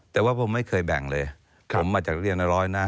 แต่ว่าผมไม่เคยแบ่งเลยผมมาจากเรียนในร้อยนะ